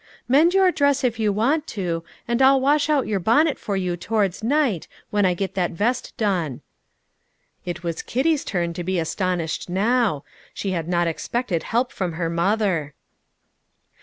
"Mend your dress if you want to, and I'll wash out your bonnet for you towards night, when I get that vest done." It was Kitty's turn to be astonished now. She had not expected help from her mother.